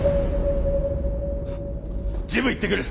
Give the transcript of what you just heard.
ジム行ってくる。